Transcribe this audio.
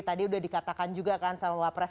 tadi sudah dikatakan juga kan sama mbak pres